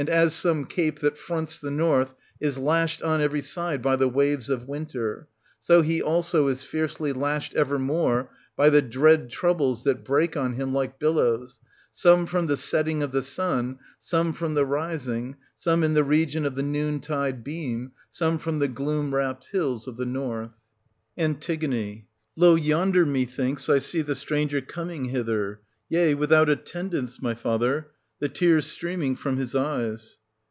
as some cape that fronts the North is lashed on every 1240 side by the waves of winter, so he also is fiercely lashed evermore by the dread troubles that break on him like billows, some from the setting of the sun, some from the rising, some in the region of the noon tide beam, some from the gloom wrapped hills of the North. An. Lo, yonder, methinks, I see the stranger coming hither, — yea, without attendants, my father, — 1250 the tears streaming from his eyes.